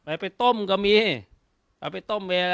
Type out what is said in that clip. ใช่แน่นอนครับเออห้ะไปไปต้มก็มี